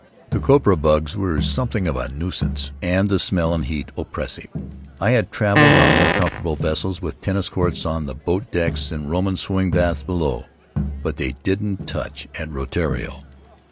The copra bugs were some thing of a nuisance, and the smell and heat oppressive. I had traveled on more comfortable vessels, with tennis courts on the boat decks and Roman swimming baths below — but they didn't touch at Rutiaro.